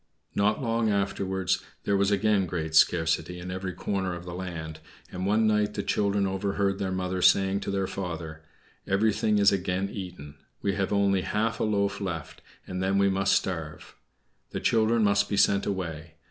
Not long afterwards there was again great scarcity in every corner of the land; and one night the children overheard their mother saying to their father, "Everything is again eaten. We have only half a loaf left, and then we must starve. The children must be sent away.